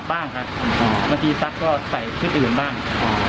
บางทีซักก็ใส่ชุดอื่นบ้าง